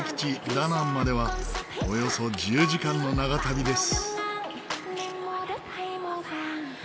ダナンまではおよそ１０時間の長旅です。